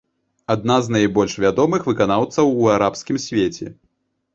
Адна з найбольш вядомых выканаўцаў у арабскім свеце.